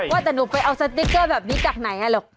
ว่าจะหนูไปเอาสติ๊กเกอร์แบบนี้กักไหนนะลูก